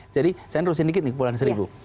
jadi saya rewesin dikit nih kepulauan seribu